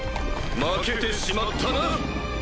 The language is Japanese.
負けてしまったな！